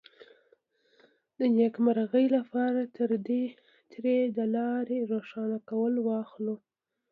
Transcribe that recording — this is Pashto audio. د نېکمرغۍ لپاره ترې د لارې روښانولو کار واخلو.